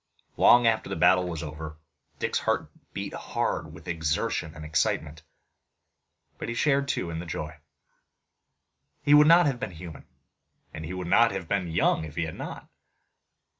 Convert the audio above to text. Long after the battle was over, Dick's heart beat hard with exertion and excitement. But he shared too in the joy. He would not have been human, and he would not have been young if he had not.